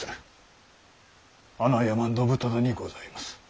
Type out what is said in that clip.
穴山信君にございます。